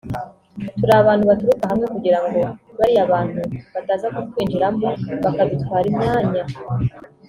turi abantu baturuka hamwe kugira ngo bariya bantu bataza kutwinjiramo bakadutwara imyanya